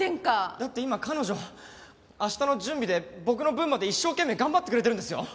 だって今彼女明日の準備で僕の分まで一生懸命頑張ってくれてるんですよ。